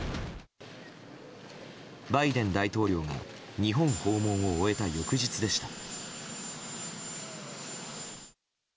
バイデン大統領が日本訪問を終えた翌日でした。